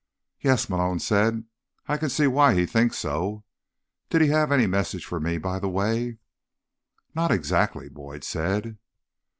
"Yes," Malone said. "I can see why he thinks so. Did he have any message for me, by the way?" "Not exactly," Boyd said.